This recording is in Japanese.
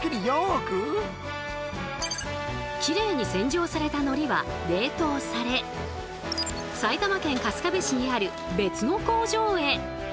きれいに洗浄された海苔は冷凍され埼玉県春日部市にある別の工場へ。